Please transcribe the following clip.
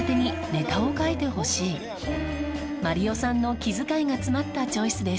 まりよさんの気遣いが詰まったチョイスです。